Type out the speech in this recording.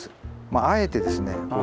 まああえてですね